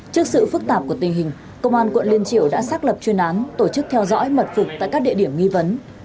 trước sự phức tạp của tình hình công an quận liên triều đã xác lập chuyên án tổ chức theo dõi mật phục tại các địa điểm nghi vấn